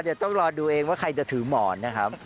เดี๋ยวต้องรอดูเองว่าใครจะถือหมอนนะครับ